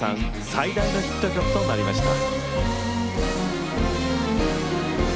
最大のヒット曲となりました。